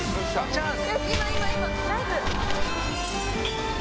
チャンス！